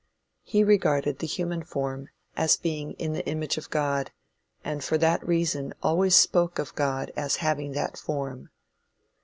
He regarded the human form as being in the image of God, and for that reason always spoke of God as having that form.